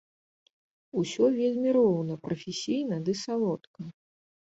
Усё вельмі роўна, прафесійна ды салодка.